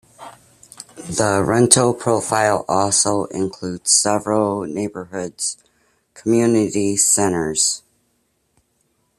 The retail profile also includes several neighbourhood community centres.